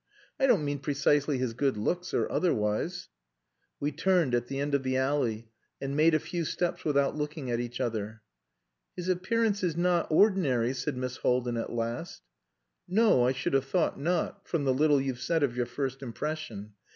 "I don't mean precisely his good looks, or otherwise." We turned at the end of the alley and made a few steps without looking at each other. "His appearance is not ordinary," said Miss Haldin at last. "No, I should have thought not from the little you've said of your first impression.